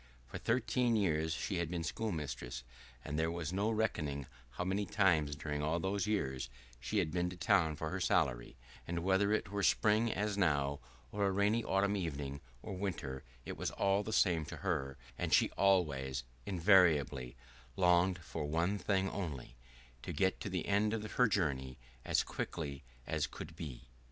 For thirteen years she had been schoolmistress, and there was no reckoning how many times during all those years she had been to the town for her salary; and whether it were spring as now, or a rainy autumn evening, or winter, it was all the same to her, and she always invariably longed for one thing only, to get to the end of her journey as quickly as could be.